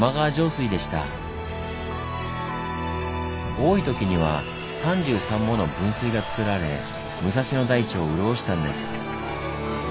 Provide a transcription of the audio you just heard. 多いときには３３もの分水がつくられ武蔵野台地を潤したんです。